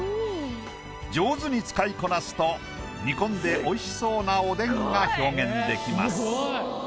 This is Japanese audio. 上手に使いこなすと煮込んでおいしそうなおでんが表現できます。